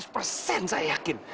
dua ratus persen saya yakin